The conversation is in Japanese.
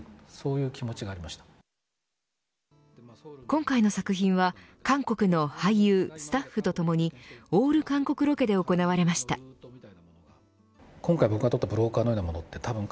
今回の作品は韓国の俳優、スタッフとともにオール韓国ロケで行われました。